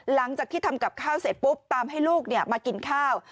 หลังจากที่ทำกับข้าวเสร็จปุ๊บตามให้ลูกมากินข้าว